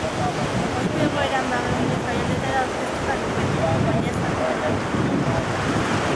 Ohiko egoeran bageunde jaialdietara aurkeztuta lukete baina ezin jakin orain no.